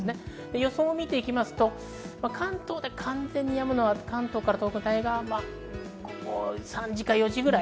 予想を見ていきますと関東で完全にやむのは午後３時４時ぐらい。